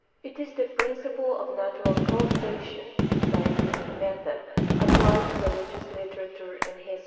It is the principle of natural causation — the scientific method — appHed to religious litera ture and history.